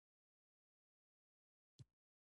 ایا ستاسو مخ به سپین نه وي؟